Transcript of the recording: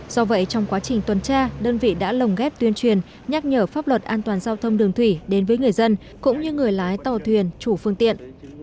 do vậy trong quá trình tuần tra đơn vị đã lồng ghép tuyên truyền nhắc nhở pháp luật an toàn giao thông đường thủy đến với người dân cũng như người lái tàu thuyền chủ phương tiện